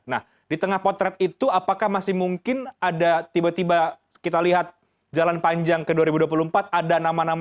nah di tengah potret itu apakah masih mungkin ada tiba tiba kita lihat jalan panjang ke dua ribu dua puluh empat ada nama nama